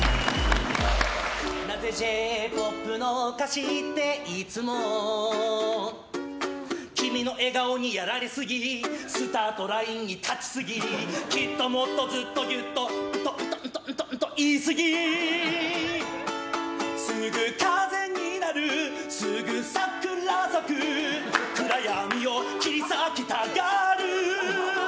なぜＪ‐ＰＯＰの歌詞っていつも君の笑顔にやられすぎスタートラインに立ちすぎきっともっとずっとギュッとんと、んと、んと言い過ぎすぐ風になる、すぐ桜咲く暗闇を切り裂きたがる。